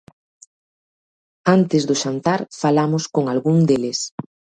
Antes do xantar falamos con algún deles.